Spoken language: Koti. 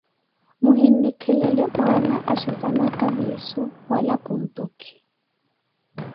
Muhinlikhelele mwaana axhezanaka viisu wala puntukhi.